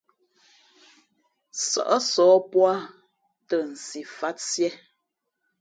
Sα̌ʼ sǒh pō ā ,tα nsi fāt siē.